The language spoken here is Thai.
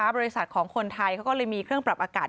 บริษัทของคนไทยเขาก็เลยมีเครื่องปรับอากาศ